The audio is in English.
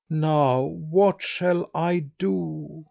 Now what shall I do?"